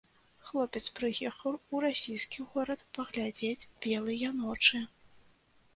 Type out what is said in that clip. Хлопец прыехаў у расійскі горад паглядзець белыя ночы.